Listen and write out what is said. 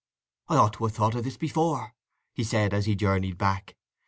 "I ought to have thought of this before," he said, as he journeyed back.